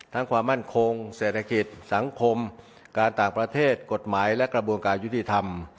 ความมั่นคงเศรษฐกิจสังคมการต่างประเทศกฎหมายและกระบวนการยุติธรรม